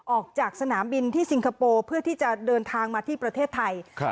ออกจากสนามบินที่สิงคโปร์เพื่อที่จะเดินทางมาที่ประเทศไทยครับ